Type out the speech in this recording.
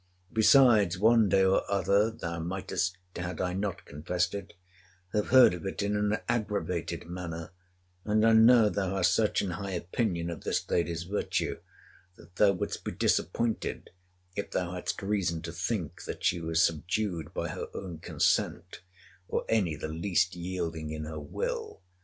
Besides, one day or other, thou mightest, had I not confessed it, have heard of it in an aggravated manner; and I know thou hast such an high opinion of this lady's virtue, that thou wouldst be disappointed, if thou hadst reason to think that she was subdued by her own consent, or any the least yielding in her will.